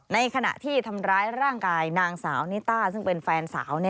ในขณะที่ทำร้ายร่างกายนางสาวนิต้าซึ่งเป็นแฟนสาว